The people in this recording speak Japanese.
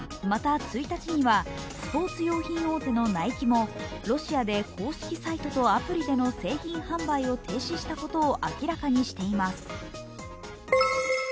また、１日にはスポーツ用品大手のナイキもロシアで公式サイトとアプリでの製品販売を停止したことを明らかにしています。